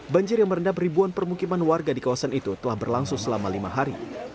banjir yang merendam ribuan permukiman warga di kawasan itu telah berlangsung selama lima hari